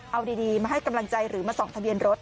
เอาดีมาให้กำลังใจหรือมาส่องทะเบียนรถ